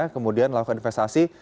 kemudian lakukan investasi